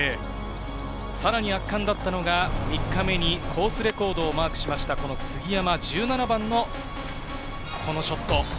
さらに圧巻だったのが３日目にコースレコードをマークした杉山、１７番のこのショット。